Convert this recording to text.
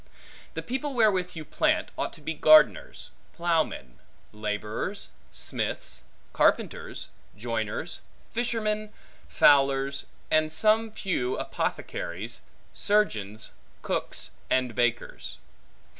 The people wherewith you plant ought to be gardeners, ploughmen, laborers, smiths, carpenters, joiners, fishermen, fowlers, with some few apothecaries, surgeons, cooks, and bakers.